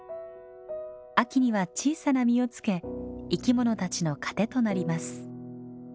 秋には小さな実をつけ生き物たちの糧となります。